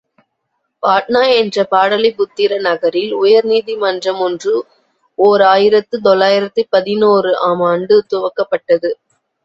பாட்னா என்ற பாடலி புத்திர நகரில் உயர்நீதிமன்றம் ஒன்று ஓர் ஆயிரத்து தொள்ளாயிரத்து பதினாறு ஆம் ஆண்டு துவக்கப்பட்டது.